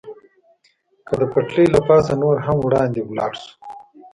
که د پټلۍ له پاسه نور هم وړاندې ولاړ شو.